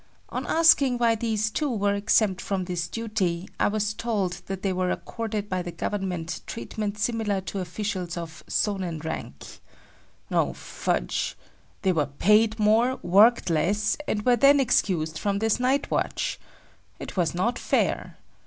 On asking why these two were exempt from this duty, I was told that they were accorded by the government treatment similar to officials of "Sonin" rank. Oh, fudge! They were paid more, worked less, and were then excused from this night watch. It was not fair.